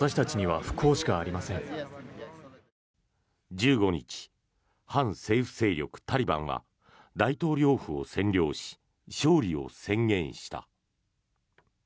１５日反政府武装勢力タリバンは大統領府を占領し勝利を宣言した。